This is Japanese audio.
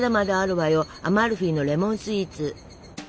アマルフィのレモンスイーツ。